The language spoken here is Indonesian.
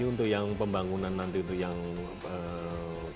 untuk yang pembangunan nanti itu yang kedepannya bu